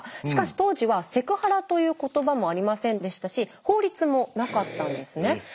しかし当時は「セクハラ」という言葉もありませんでしたし法律もなかったんですね。